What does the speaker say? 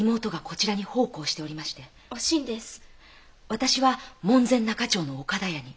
私は門前仲町の岡田屋に。